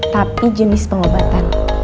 tapi jenis pengobatan